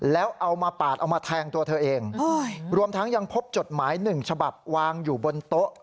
แล้วเอามาปาดเอามาแทงตัวเธอเองรวมทั้งยังพบจดหมายหนึ่งฉบับวางอยู่บนโต๊ะ